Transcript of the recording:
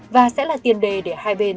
và sẽ là tiền đề để hai bên